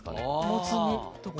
もつ煮とか。